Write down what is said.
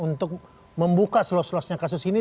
untuk membuka selos selosnya kasus ini